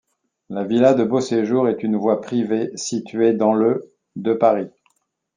La villa de Beauséjour est une voie privée située dans le de Paris.